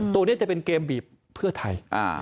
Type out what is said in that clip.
ตัวนี้จะเป็นเกมบีบเพื่อไทย